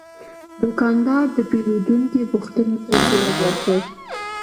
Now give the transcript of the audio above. دوکاندار د پیرودونکي پوښتنو ته ځواب ورکړ.